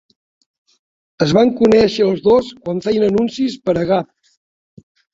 Es van conèixer els dos quan feien anuncis per a Gap.